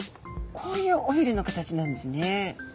こういう尾びれの形なんですね。